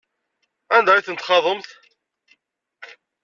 Anda ay ten-txaḍemt?